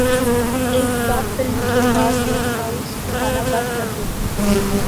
ایک flop film کے بعد لوگ کالز اٹھانا بند کردیتے ہیں